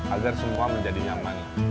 agar semua menjadi nyaman